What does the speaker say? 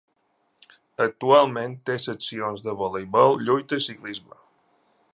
Actualment té seccions de voleibol, lluita i ciclisme.